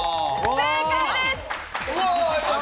正解です。